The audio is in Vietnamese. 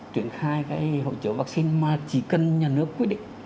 triển khai cái hộ chiếu vaccine mà chỉ cần nhà nước quyết định